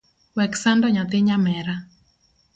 Wek sando nyathi nyamera.